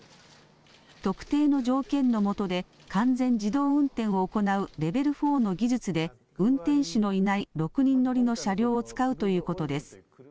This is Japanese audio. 特定の条件のもとで完全自動運転を行うレベル４の技術で運転手のいない６人乗りの車両を使うということです。